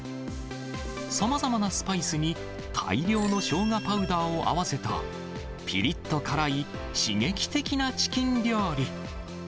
さまざまなスパイスに大量のショウガパウダーを合わせたぴりっと辛い、刺激的なチキン料理。